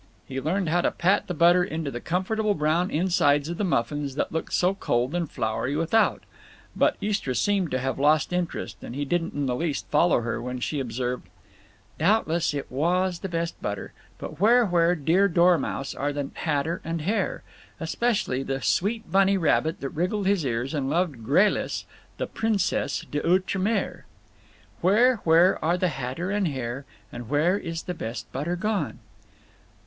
He learned how to pat the butter into the comfortable brown insides of the muffins that looked so cold and floury without. But Istra seemed to have lost interest; and he didn't in the least follow her when she observed: "Doubtless it was the best butter. But where, where, dear dormouse, are the hatter and hare? Especially the sweet bunny rabbit that wriggled his ears and loved Gralice, the princesse d'outre mer. "Where, where are the hatter and hare, And where is the best butter gone?"